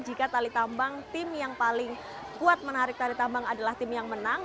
jika tali tambang tim yang paling kuat menarik tali tambang adalah tim yang menang